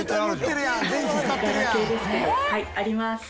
はいあります。